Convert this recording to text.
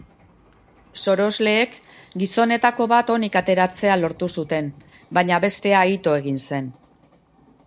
Sorosleek gizonetako bat onik ateratzea lortu zuten, baina bestea ito egin zen.